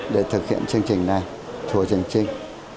để thực hiện chương trình này thủa trường trinh